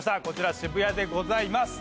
渋谷でございます。